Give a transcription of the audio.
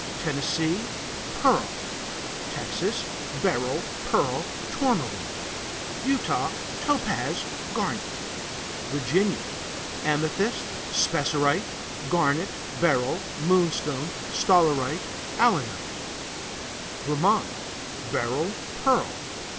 Tennessee Pearl. Texas Beryl, pearl, tourmaline. Utah Topaz, garnet. Virginia Amethyst, spessarite, garnet, beryl, moonstone, staurolite, allanite. Vermont Beryl, pearl.